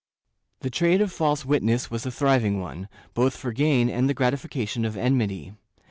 ^ The trade of false witness was a thriving one, both for gain and the gratification of enmity.